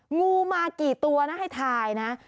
งูมากี่ตัวนะให้ทายนะ